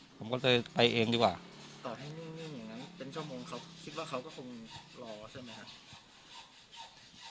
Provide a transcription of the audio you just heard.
ผมก็เลยไปเองดีกว่าต่อให้นิ่งอย่างนั้นเป็นชั่วโมงเขาคิดว่าเขาก็คงรอใช่ไหมครับ